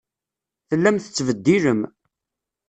Tellam tettbeddilem.